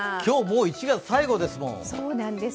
今日もう１月最後ですもん。